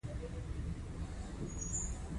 دا د بې عدالتۍ شدید مصداقونه شمېرل کیږي.